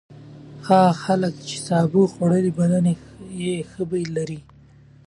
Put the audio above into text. هغه خلک چې سابه خوړلي بدن یې ښه بوی لري.